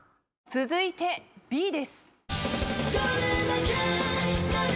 続いてＢです。